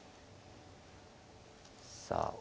さあ。